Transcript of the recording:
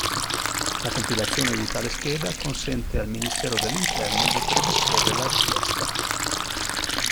La compilazione di tale scheda consente al Ministero dell'Interno di predisporre la richiesta.